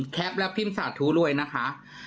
๑แคปแล้วพิมพ์สาธุรวยนะคะ